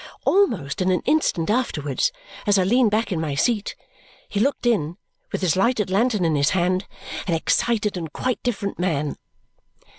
Almost in an instant afterwards, as I leaned back in my seat, he looked in, with his lighted lantern in his hand, an excited and quite different man.